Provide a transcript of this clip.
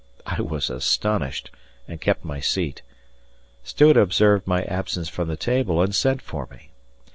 I was astonished and kept my seat. Stuart observed my absence from the table and sent for me.